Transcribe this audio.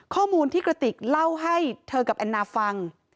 ข้อมูลที่กระติกเล่าให้เธอกับแอนนาฟัง